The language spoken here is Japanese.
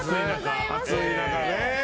暑い中ね。